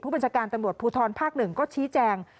บัญชาการตำรวจภูทรภาค๑ก็ชี้แจง